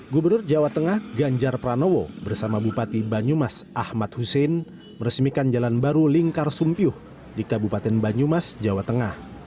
gubernur jawa tengah ganjar pranowo bersama bupati banyumas ahmad hussein meresmikan jalan baru lingkar sumpih di kabupaten banyumas jawa tengah